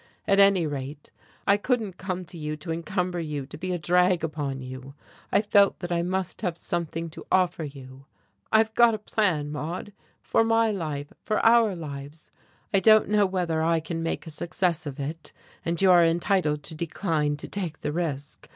At any rate, I couldn't come to you to encumber you, to be a drag upon you. I felt that I must have something to offer you. I've got a plan, Maude, for my life, for our lives. I don't know whether I can make a success of it, and you are entitled to decline to take the risk.